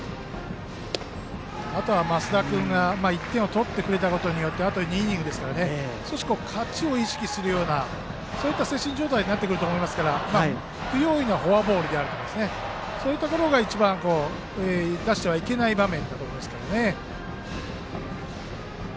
あとは升田君が１点を取ってくれたことであと２イニングですから少し勝ちを意識するようなそういった精神状態になってくると思いますから不用意なフォアボールとかそういったものは一番出してはいけない場面。